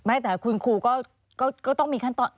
ไม่แต่คุณครูก็ต้องมีขั้นตอน